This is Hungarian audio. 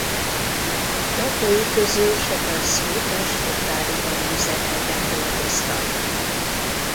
Lakói közül sokan Szvit és Poprád ipari üzemeiben dolgoztak.